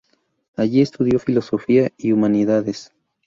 Allí estudió Filosofía y Humanidades.